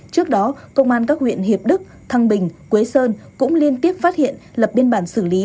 trước đó công an các huyện hiệp đức thăng bình quế sơn cũng liên tiếp phát hiện lập biên bản xử lý